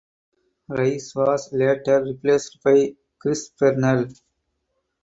Rice was later replaced by Kris Bernal.